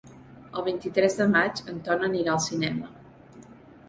El vint-i-tres de maig en Ton anirà al cinema.